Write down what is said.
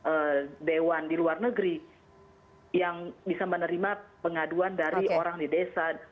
ada dewan di luar negeri yang bisa menerima pengaduan dari orang di desa